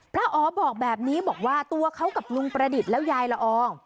อ๋อบอกแบบนี้บอกว่าตัวเขากับลุงประดิษฐ์แล้วยายละออง